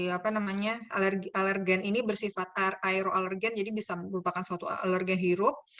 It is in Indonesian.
alergen ini bersifat aeroalergen jadi bisa merupakan suatu alergen hirup